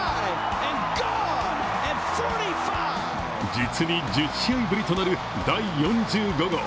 実に１０試合ぶりとなる第４５号。